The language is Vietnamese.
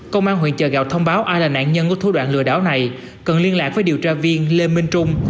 công an huyện chợ gạo thông báo ai là nạn nhân của thu đoạn lừa đảo này cần liên lạc với điều tra viên lê minh trung